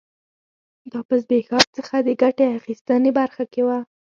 دا په زبېښاک څخه د ګټې اخیستنې برخه کې و